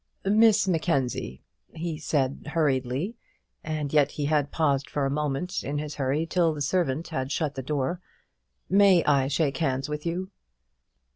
"Miss Mackenzie," he said, hurriedly and yet he had paused for a moment in his hurry till the servant had shut the door "may I shake hands with you?"